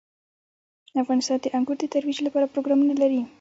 افغانستان د انګور د ترویج لپاره پروګرامونه لري.